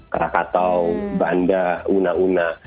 krakatau banda una una